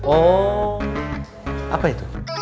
oh apa itu